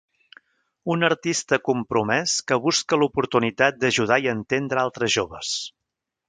Un artista compromès que busca l'oportunitat d'ajudar i entendre a altres joves.